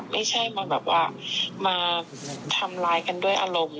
ไม่ใช่มาแบบว่ามาทำร้ายกันด้วยอารมณ์